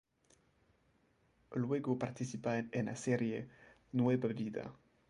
Luego participa en la serie "Nueva vida".